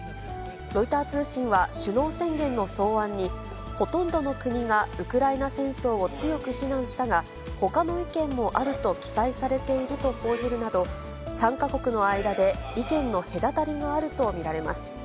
ロイター通信は首脳宣言の草案に、ほとんどの国がウクライナ戦争を強く非難したが、ほかの意見もあると記載されていると報じるなど、参加国の間で意見の隔たりがあると見られます。